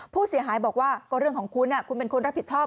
ผู้เสียหายบอกว่าก็เรื่องของคุณคุณเป็นคนรับผิดชอบ